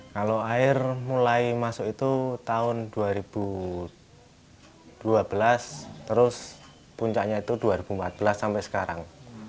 kalau air mulai masuk itu tahun dua ribu dua belas terus puncaknya itu dua ribu empat belas sampai sekarang